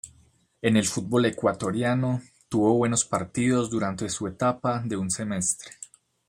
En el fútbol ecuatoriano, tuvo buenos partidos durante su etapa de un semestre.